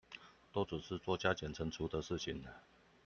都只是做加減乘除的事情